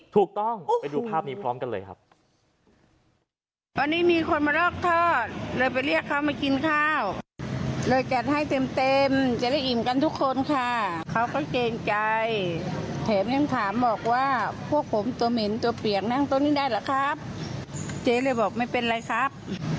ถูกต้องไปดูภาพนี้พร้อมกันเลยครับ